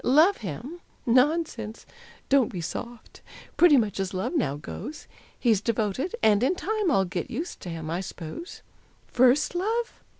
Love him? Nonsense. Don't be "soft;" Pretty much as love now goes; He's devoted, and in time I'll get used to him, I 'spose. First love?